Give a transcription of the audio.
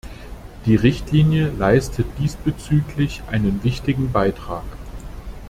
Die Richtlinie leistet diesbezüglich einen wichtigen Beitrag.